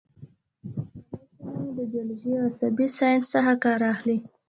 اوسنۍ څېړنه د بیولوژۍ او عصبي ساینس څخه کار اخلي